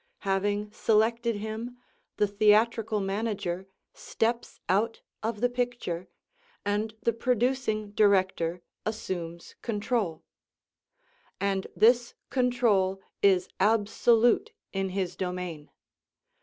Having selected him, the theatrical manager steps out of the picture and the producing director assumes control. And this control is absolute in his domain.